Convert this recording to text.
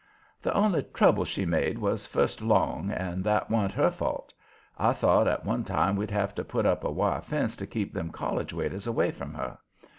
The only trouble she made was first along, and that wa'n't her fault. I thought at one time we'd have to put up a wire fence to keep them college waiters away from her.